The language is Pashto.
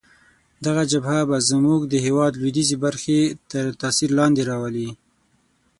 دغه جبهه به زموږ د هیواد لویدیځې برخې تر تاثیر لاندې راولي.